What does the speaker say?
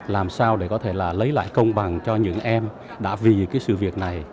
làm sao để có thể là lấy lại công bằng cho những em đã vì cái sự việc này